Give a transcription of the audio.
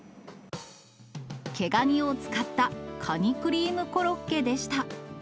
毛ガニを使ったカニクリームコロッケでした。